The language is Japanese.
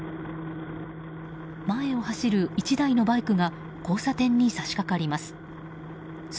前を走る１台のバイクが交差点に差し掛かります。